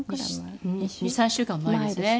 ２３週間前ですね。